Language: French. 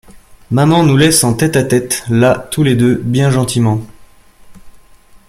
Maman nous laisse en tête-à-tête, Là, tous les deux, bien gentiment.